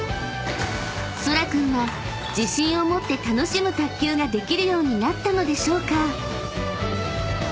［そら君は自信を持って楽しむ卓球ができるようになったのでしょうか？］